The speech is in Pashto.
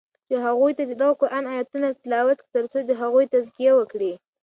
چی هغوی ته ددغه قرآن آیتونه تلاوت کړی تر څو د هغوی تزکیه وکړی